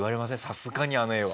さすがにあの絵は。